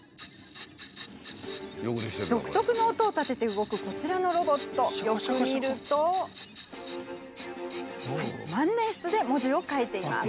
独特な音を立てて動くこちらのロボットよく見ると万年筆で文字を書いています。